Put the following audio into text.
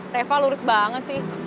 reva lurus banget sih